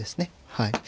はい。